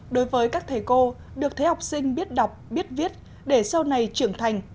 đối với các thầy cô được thấy học sinh biết đọc biết viết để sau này trưởng thành